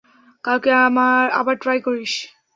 কালকে আবার ট্রাই করিস।